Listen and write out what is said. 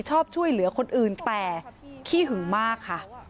ชอบช่วยเหลือคนอื่นแต่ขี้หึงมากค่ะ